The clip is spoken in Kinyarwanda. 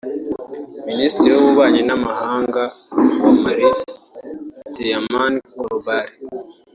Minisitiri w’Ububanyi n’Amahanga wa Mali Tieman Coulibaly